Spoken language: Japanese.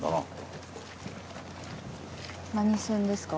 何船ですか？